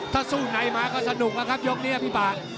ถ้าสู้ในมาก็สนุกแล้วครับยกนี้พี่ป่า